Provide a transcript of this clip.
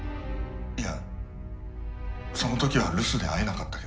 いやその時は留守で会えなかったけど。